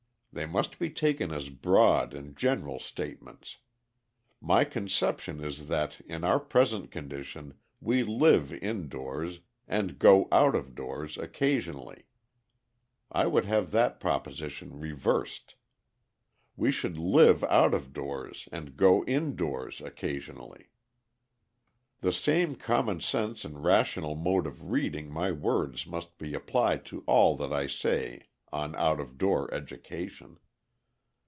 They must be taken as broad and general statements. My conception is that in our present condition we live indoors and go out of doors occasionally. I would have that proposition reversed. We should live out of doors and go indoors occasionally. The same common sense and rational mode of reading my words must be applied to all that I say on out of door education.